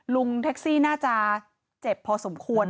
ลุงแท็กซี่น่าจะเจ็บพอสมควร